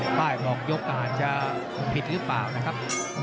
ป้ายบอกยกก็อาจจะผิดหรือเปล่านะครับ